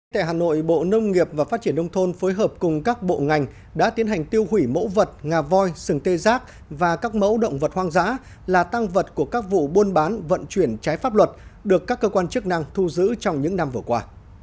tại hà nội bộ nông nghiệp và phát triển nông thôn phối hợp cùng các bộ ngành đã tiến hành tiêu hủy mẫu vật ngà voi sừng tê giác và các mẫu động vật hoang dã là tăng vật của các vụ buôn bán vận chuyển trái pháp luật được các cơ quan chức năng thu giữ trong những năm vừa qua